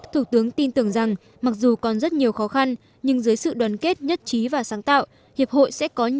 thủ tướng tin tưởng rằng mặc dù còn rất nhiều khó khăn nhưng dưới sự đoàn kết nhất trí và sáng tạo